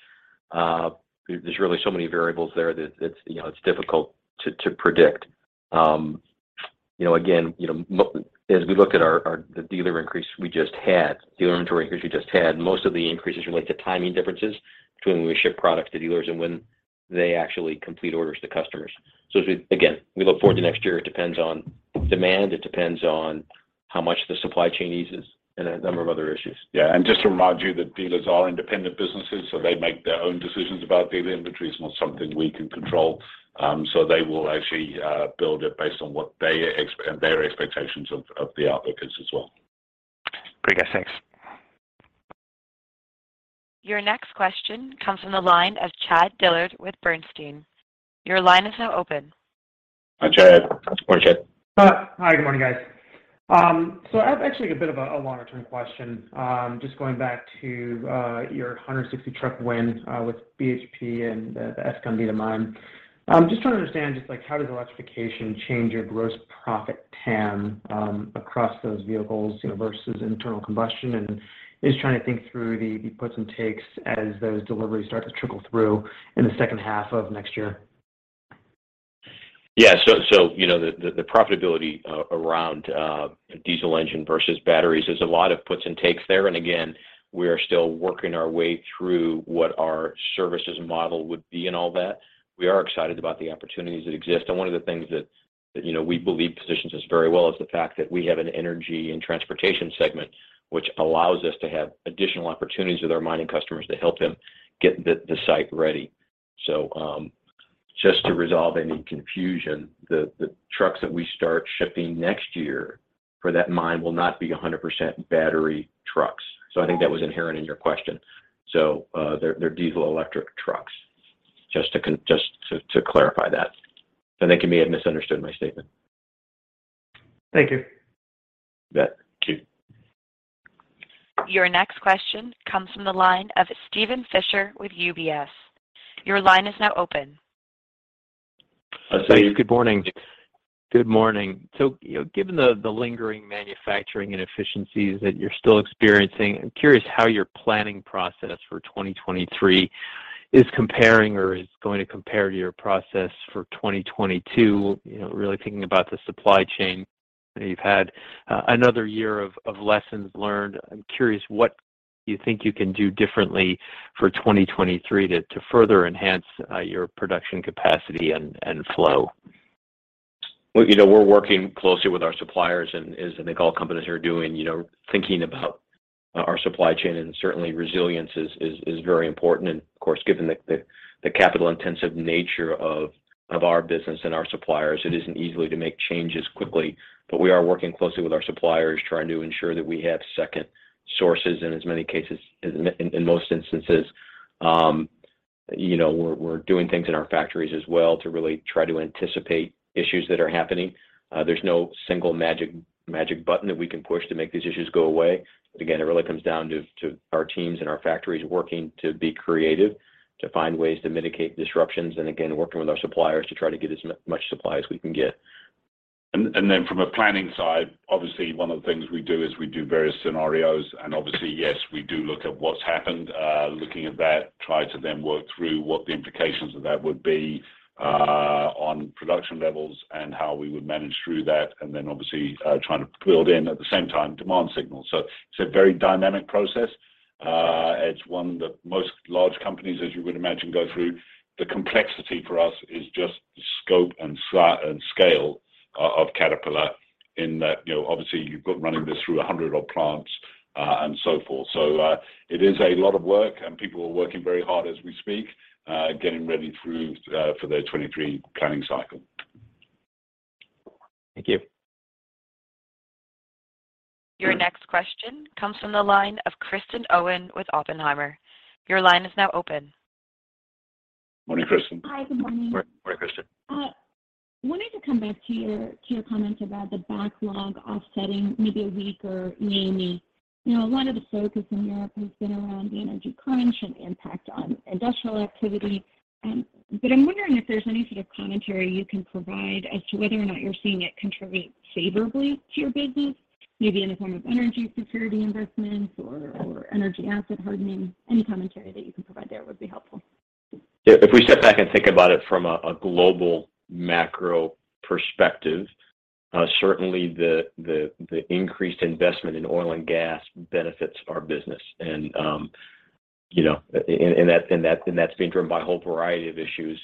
There's really so many variables there that it's, you know, it's difficult to predict. You know, again, you know, as we looked at the dealer increase we just had, dealer inventory increase we just had, most of the increases relate to timing differences between when we ship product to dealers and when they actually complete orders to customers. Again, we look forward to next year, it depends on demand, it depends on how much the supply chain eases, and a number of other issues. Yeah. Just to remind you that dealers are independent businesses, so they make their own decisions about dealer inventories. It's not something we can control. They will actually build it based on what their expectations of the outlook is as well. Great, guys. Thanks. Your next question comes from the line of Chad Dillard with Bernstein. Your line is now open. Hi, Chad. Go on, Chad. Hi, good morning, guys. I've actually a bit of a longer term question, just going back to your 160 truck win with BHP and the Escondida mine. Just trying to understand just like how does electrification change your gross profit TAM across those vehicles, you know, versus internal combustion? Just trying to think through the puts and takes as those deliveries start to trickle through in the second half of next year. Yeah. You know, the profitability around diesel engine versus batteries, there's a lot of puts and takes there. We are still working our way through what our services model would be in all that. We are excited about the opportunities that exist. One of the things that you know, we believe positions us very well is the fact that we have an Energy & Transportation segment, which allows us to have additional opportunities with our mining customers to help them get the site ready. Just to resolve any confusion, the trucks that we start shipping next year for that mine will not be 100% battery trucks. I think that was inherent in your question. They're diesel electric trucks, just to clarify that. I think you may have misunderstood my statement. Thank you. You bet. Thank you. Your next question comes from the line of Steven Fisher with UBS. Your line is now open. Hi, Steve. Thanks. Good morning. Good morning. You know, given the lingering manufacturing inefficiencies that you're still experiencing, I'm curious how your planning process for 2023 is comparing or is going to compare to your process for 2022. You know, really thinking about the supply chain. You've had another year of lessons learned. I'm curious what you think you can do differently for 2023 to further enhance your production capacity and flow. Well, you know, we're working closely with our suppliers and as I think all companies are doing, you know, thinking about our supply chain, and certainly resilience is very important. Of course, given the capital intensive nature of our business and our suppliers, it isn't easy to make changes quickly. We are working closely with our suppliers trying to ensure that we have second sources in as many cases, in most instances. You know, we're doing things in our factories as well to really try to anticipate issues that are happening. There's no single magic button that we can push to make these issues go away. Again, it really comes down to our teams and our factories working to be creative, to find ways to mitigate disruptions and again, working with our suppliers to try to get as much supply as we can get. From a planning side, obviously one of the things we do is we do various scenarios, and obviously yes, we do look at what's happened, looking at that, try to then work through what the implications of that would be on production levels and how we would manage through that, and then obviously trying to build in at the same time demand signals. It's a very dynamic process. It's one that most large companies, as you would imagine, go through. The complexity for us is just the scope and scale of Caterpillar in that, you know, obviously you've got running this through 100-odd plants and so forth. It is a lot of work and people are working very hard as we speak, getting ready through for their 2023 planning cycle. Thank you. Your next question comes from the line of Kristen Owen with Oppenheimer. Your line is now open. Morning, Kristen. Hi. Good morning. Morning, Kristen. Wanted to come back to your comment about the backlog offsetting maybe a weaker EMEA. You know, a lot of the focus in Europe has been around the energy crunch and impact on industrial activity. But I'm wondering if there's any sort of commentary you can provide as to whether or not you're seeing it contribute favorably to your business, maybe in the form of energy security investments or energy asset hardening. Any commentary that you can provide there would be helpful. If we step back and think about it from a global macro perspective, certainly the increased investment in oil and gas benefits our business. You know, that's being driven by a whole variety of issues.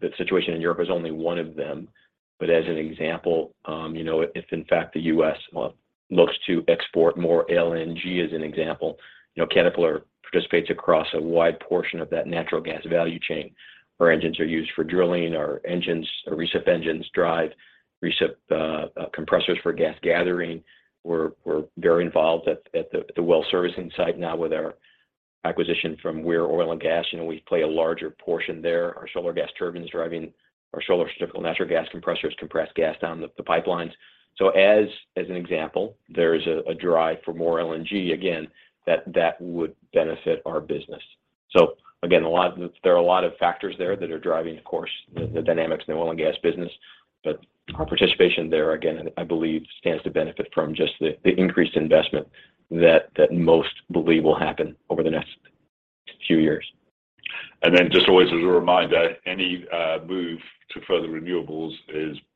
The situation in Europe is only one of them. As an example, you know, if in fact the U.S. looks to export more LNG as an example, you know, Caterpillar participates across a wide portion of that natural gas value chain. Our engines are used for drilling, our recip engines drive recip compressors for gas gathering. We're very involved at the well servicing site now with our acquisition from where oil and gas, you know, we play a larger portion there. Our Solar gas turbines driving our Solar typical natural gas compressors compress gas down the pipelines. As an example, there is a drive for more LNG, again, that would benefit our business. Again, there are a lot of factors there that are driving, of course, the dynamics in the oil and gas business. Our participation there, again, I believe stands to benefit from just the increased investment that most believe will happen over the next few years. Just always as a reminder, any move to further renewables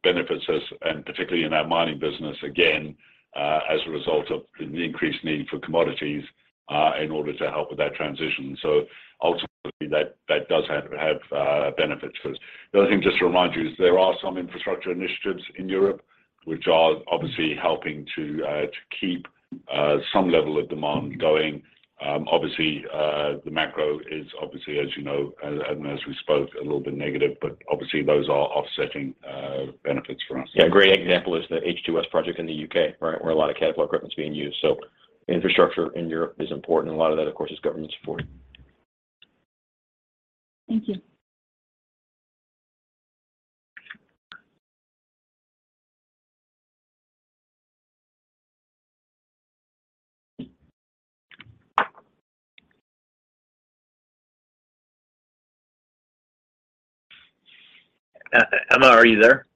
benefits us, and particularly in our mining business, again, as a result of the increased need for commodities in order to help with that transition. Ultimately, that does have benefits for us. The other thing, just to remind you, is there are some infrastructure initiatives in Europe which are obviously helping to keep some level of demand going. Obviously, the macro is obviously, as you know, as we spoke, a little bit negative, but obviously those are offsetting benefits for us. Yeah. A great example is the HS2 project in the U.K., right? Where a lot of Caterpillar equipment's being used. Infrastructure in Europe is important. A lot of that, of course, is government supported. Thank you. Emma, are you there?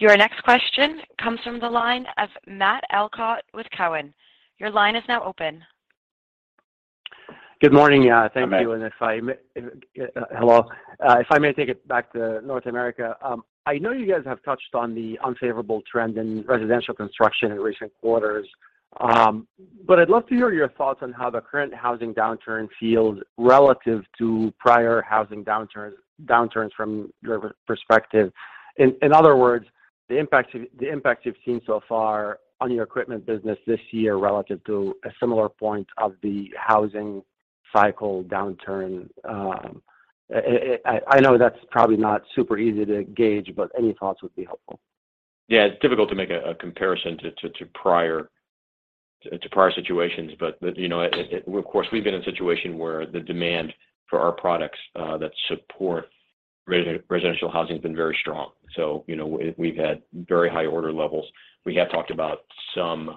Your next question comes from the line of Matt Elkott with Cowen. Your line is now open. Good morning. Thank you. Hi, Matt. If I may take it back to North America. I know you guys have touched on the unfavorable trend in residential construction in recent quarters. But I'd love to hear your thoughts on how the current housing downturn feels relative to prior housing downturns from your perspective. In other words, the impact you've seen so far on your equipment business this year relative to a similar point of the housing cycle downturn. I know that's probably not super easy to gauge, but any thoughts would be helpful. Yeah. It's difficult to make a comparison to prior situations. You know, of course, we've been in a situation where the demand for our products that support residential housing has been very strong. You know, we've had very high order levels. We have talked about some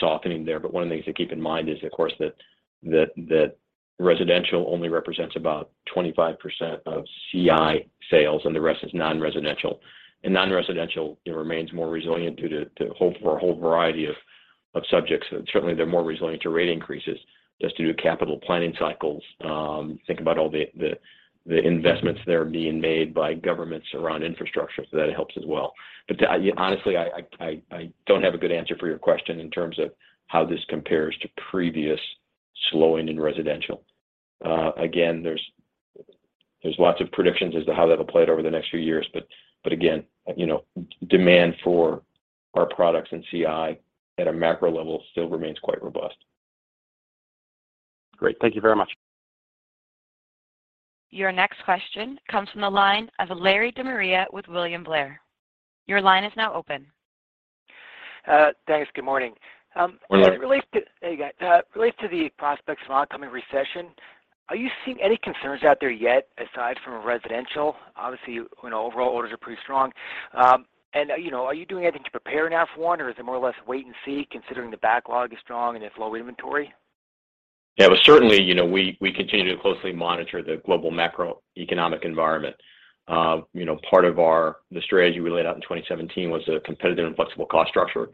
softening there. One of the things to keep in mind is, of course, that residential only represents about 25% of CI sales, and the rest is non-residential. Non-residential remains more resilient due to a whole variety of subjects. Certainly they're more resilient to rate increases just due to capital planning cycles. Think about all the investments that are being made by governments around infrastructure. That helps as well. Honestly, I don't have a good answer for your question in terms of how this compares to previous slowing in residential. Again, there's lots of predictions as to how that'll play out over the next few years. Again, you know, demand for our products in CI at a macro level still remains quite robust. Great. Thank you very much. Your next question comes from the line of Larry DeMaria with William Blair. Your line is now open. Thanks. Good morning. Good morning, Larry. Related to hey, guys. Related to the prospects of oncoming recession, are you seeing any concerns out there yet aside from residential? Obviously, you know, overall orders are pretty strong. You know, are you doing anything to prepare now for one, or is it more or less wait and see considering the backlog is strong and there's low inventory? Yeah. Well, certainly, you know, we continue to closely monitor the global macroeconomic environment. You know, part of the strategy we laid out in 2017 was a competitive and flexible cost structure.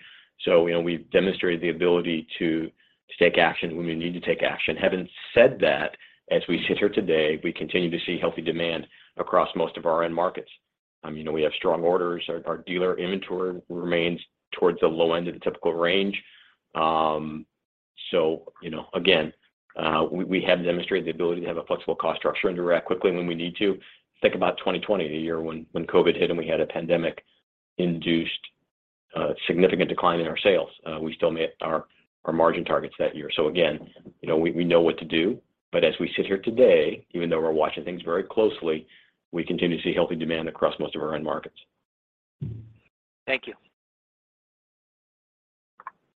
You know, we've demonstrated the ability to take action when we need to take action. Having said that, as we sit here today, we continue to see healthy demand across most of our end markets. You know, we have strong orders. Our dealer inventory remains towards the low end of the typical range. You know, again, we have demonstrated the ability to have a flexible cost structure and to react quickly when we need to. Think about 2020, the year when COVID hit, and we had a pandemic-induced significant decline in our sales. We still made our margin targets that year. Again, you know, we know what to do, but as we sit here today, even though we're watching things very closely, we continue to see healthy demand across most of our end markets. Thank you.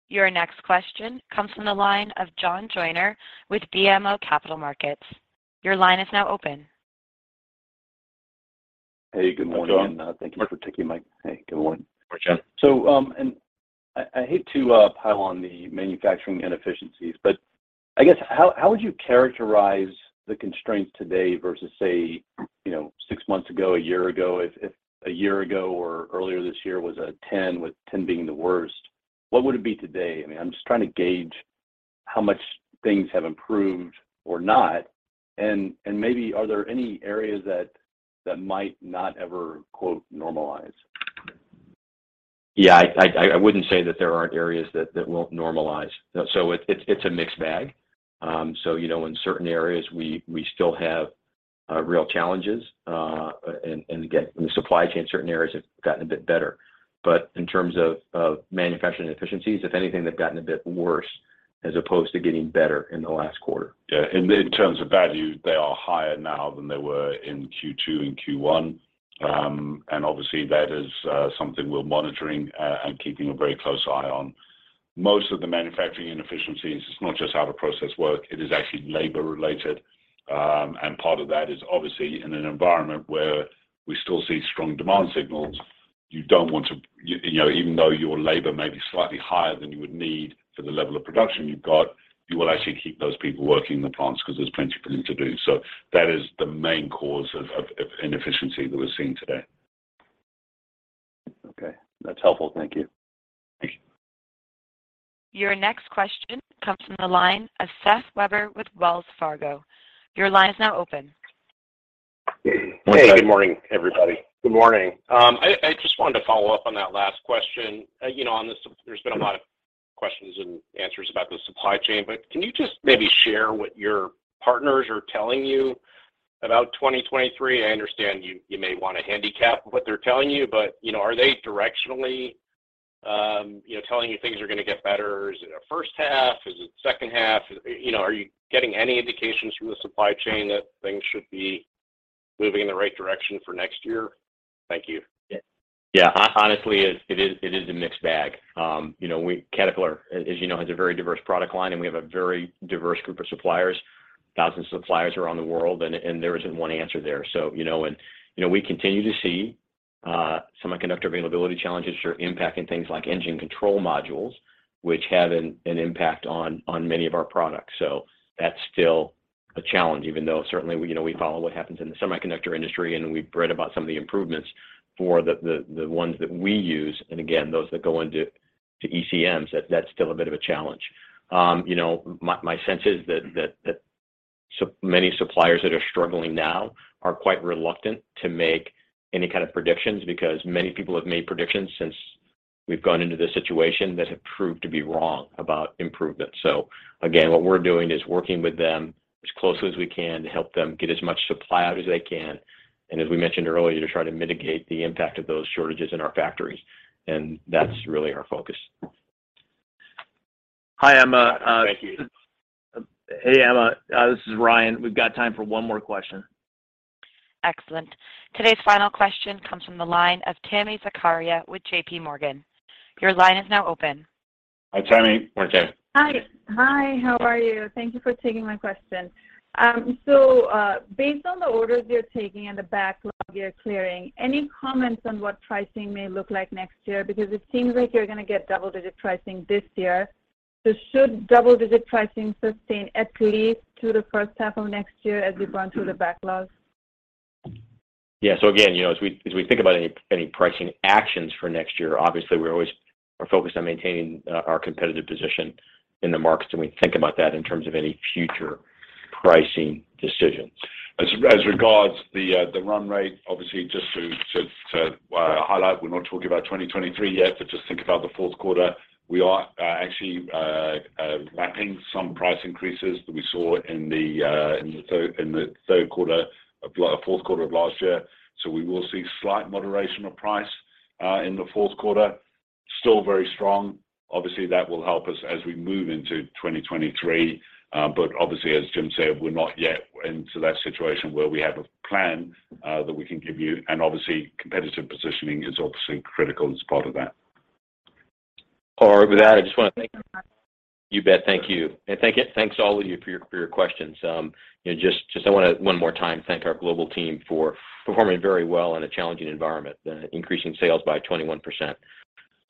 Your next question comes from the line of Joel Tiss with BMO Capital Markets. Your line is now open. Hey, good morning. Hi, Joel. Hey, good morning. Good morning, Joel. I hate to pile on the manufacturing inefficiencies, but I guess how would you characterize the constraints today versus, say, you know, six months ago, a year ago? If a year ago or earlier this year was a 10, with 10 being the worst, what would it be today? I mean, I'm just trying to gauge how much things have improved or not. Maybe are there any areas that might not ever, quote, "normalize"? Yeah. I wouldn't say that there aren't areas that won't normalize. It's a mixed bag. You know, in certain areas, we still have real challenges. Again, the supply chain in certain areas have gotten a bit better. In terms of manufacturing efficiencies, if anything, they've gotten a bit worse as opposed to getting better in the last quarter. Yeah. In terms of value, they are higher now than they were in Q2 and Q1. And obviously, that is something we're monitoring and keeping a very close eye on. Most of the manufacturing inefficiencies is not just how the process work, it is actually labor related. And part of that is obviously in an environment where we still see strong demand signals, you know, even though your labor may be slightly higher than you would need for the level of production you've got, you will actually keep those people working in the plants because there's plenty for them to do. That is the main cause of inefficiency that we're seeing today. Okay. That's helpful. Thank you. Thank you. Your next question comes from the line of Seth Weber with Wells Fargo. Your line is now open. Hey, good morning, everybody. Good morning. I just wanted to follow up on that last question. You know, there's been a lot of questions and answers about the supply chain, but can you just maybe share what your partners are telling you about 2023? I understand you may wanna handicap what they're telling you, but, you know, are they directionally, you know, telling you things are gonna get better? Is it first half? Is it second half? You know, are you getting any indications from the supply chain that things should be moving in the right direction for next year? Thank you. Yeah. Honestly, it is a mixed bag. You know, we Caterpillar, as you know, has a very diverse product line, and we have a very diverse group of suppliers, thousands of suppliers around the world, and there isn't one answer there. You know, we continue to see semiconductor availability challenges are impacting things like engine control modules, which have an impact on many of our products. That's still a challenge, even though certainly we follow what happens in the semiconductor industry and we've read about some of the improvements for the ones that we use, and again, those that go into ECMs. That's still a bit of a challenge. You know, my sense is that many suppliers that are struggling now are quite reluctant to make any kind of predictions because many people have made predictions since we've gone into this situation that have proved to be wrong about improvement. Again, what we're doing is working with them as closely as we can to help them get as much supply out as they can, and as we mentioned earlier, to try to mitigate the impact of those shortages in our factories, and that's really our focus. Hi, Emma. Thank you. Hey, Emma, this is Ryan. We've got time for one more question. Excellent. Today's final question comes from the line of Tami Zakaria with JPMorgan. Your line is now open. Hi, Tami. Morning. Hi. Hi, how are you? Thank you for taking my question. Based on the orders you're taking and the backlog you're clearing, any comments on what pricing may look like next year? Because it seems like you're gonna get double-digit pricing this year. Should double-digit pricing sustain at least to the first half of next year as you run through the backlogs? Yeah. Again, you know, as we think about any pricing actions for next year, obviously, we're always focused on maintaining our competitive position in the market, and we think about that in terms of any future pricing decisions. As regards the run rate, obviously, just to highlight, we're not talking about 2023 yet, but just think about the fourth quarter. We are actually mapping some price increases that we saw in the fourth quarter of last year. We will see slight moderation of price in the fourth quarter. Still very strong. Obviously, that will help us as we move into 2023. Obviously, as Jim said, we're not yet into that situation where we have a plan that we can give you, and obviously, competitive positioning is obviously critical as part of that. All right. With that, I just wanna thank you. You bet. Thank you. Thanks all of you for your questions. You know, I wanna one more time thank our global team for performing very well in a challenging environment, increasing sales by 21%.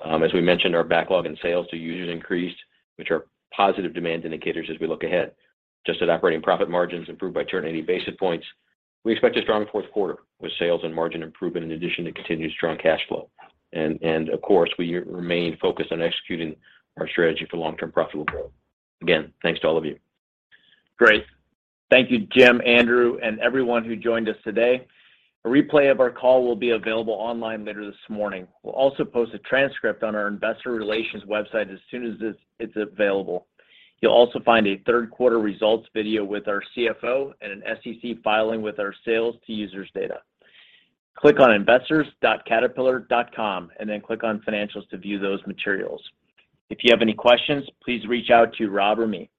As we mentioned, our backlog in sales to users increased, which are positive demand indicators as we look ahead. Adjusted operating profit margins improved by 30-80 basis points. We expect a strong fourth quarter with sales and margin improvement in addition to continued strong cash flow. Of course, we remain focused on executing our strategy for long-term profitable growth. Again, thanks to all of you. Great. Thank you, Jim, Andrew, and everyone who joined us today. A replay of our call will be available online later this morning. We'll also post a transcript on our investor relations website as soon as it's available. You'll also find a third quarter results video with our CFO and an SEC filing with our sales to users data. Click on investors.caterpillar.com and then click on Financials to view those materials. If you have any questions, please reach out to Rob or me.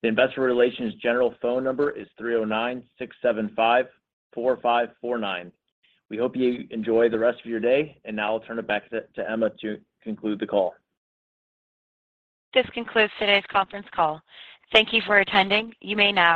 The investor relations general phone number is 309-675-4549. We hope you enjoy the rest of your day. Now I'll turn it back to Emma to conclude the call. This concludes today's conference call. Thank you for attending. You may now disconnect.